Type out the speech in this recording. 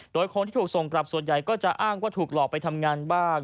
โดยคนที่ถูกส่งกลับส่วนใหญ่ก็จะอ้างว่าถูกหลอกไปทำงานบ้าง